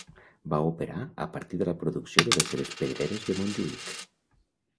Va operar a partir de la producció de les seves pedreres de Montjuïc.